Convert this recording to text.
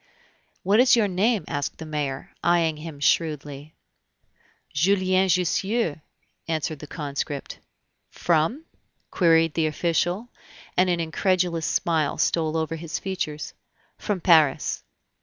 "What is your name?" asked the mayor, eying him shrewdly. "Julien Jussieu," answered the conscript. "From ?" queried the official, and an incredulous smile stole over his features. "From Paris."